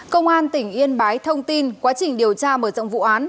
công an tỉnh yên bái thông tin quá trình điều tra mở rộng vụ án